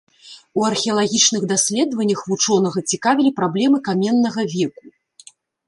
У археалагічных даследаваннях вучонага цікавілі праблемы каменнага веку.